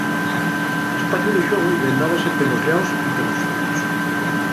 L'espaciu de xuegu llendábase pelos llaos y pelos fondos.